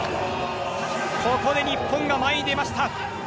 ここで日本が前に出ました。